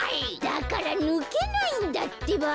だからぬけないんだってば。